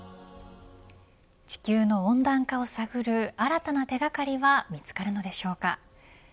地球の温暖化を探る新たな手掛かりは見つかるのでしょうか。